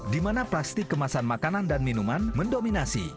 di mana plastik kemasan makanan dan minuman mendominasi